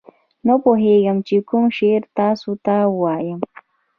نه پوهېږم چې کوم شعر تاسو ته ووایم.